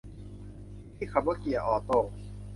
วิธีขับรถเกียร์ออโต้